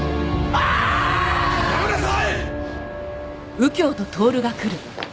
やめなさい！